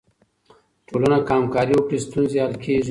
ټولنه که همکاري وکړي، ستونزې حل کیږي.